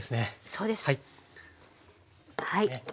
そうです。